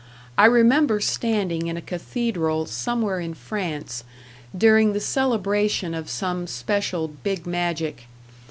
I remember standing in a cathedral "somewhere in France" during the celebration of some special Big Magic.